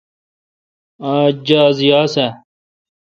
آج جاز یاس آ؟